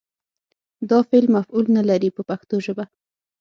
دا فعل مفعول نه لري په پښتو ژبه.